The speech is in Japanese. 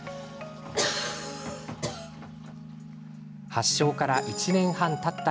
発症から１年半たった